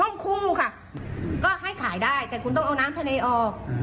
คู่ค่ะก็ให้ขายได้แต่คุณต้องเอาน้ำทะเลออก